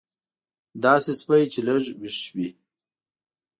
داسې سپی چې لږ وېښ وي.